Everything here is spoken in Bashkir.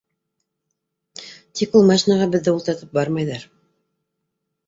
Тик ул машинаға беҙҙе ултыртып бармайҙар.